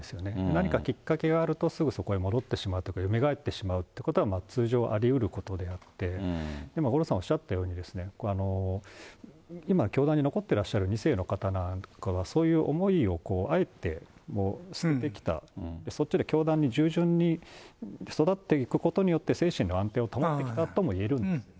何かきっかけがあると、すぐそこへ戻ってしまうとか、よみがえってしまうということは、通常ありうることであって、五郎さん、おっしゃったようにですね、今、教団に残ってらっしゃる２世の方なんかは、そういう思いをあえて捨ててきた、教団で従順に育っていくことによって、精神の安定を保ってきたともいえるんです。